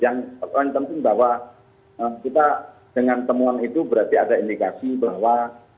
yang penting bahwa kita dengan temuan itu berarti ada indikasi bahwa